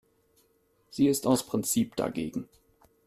Sie ist aus Prinzip dagegen.